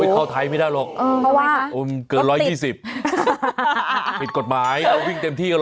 เข้าไทยไม่ได้หรอกเกิน๑๒๐ผิดกฎหมายเราวิ่งเต็มที่ห